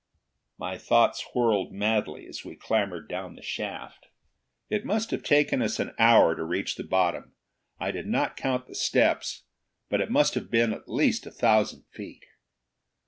My thoughts whirled madly as we clambered down the shaft. It must have taken us an hour to reach the bottom. I did not count the steps, but it must have been at least a thousand feet.